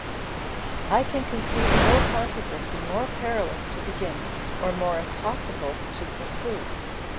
I can conceive no controversy more perilous to begin or more impossible to conclude.